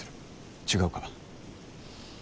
違うか？